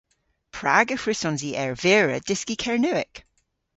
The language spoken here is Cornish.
Prag y hwrussons i ervira dyski Kernewek?